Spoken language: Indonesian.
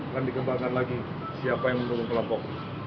dan dikembangkan lagi siapa yang mendukung kelompok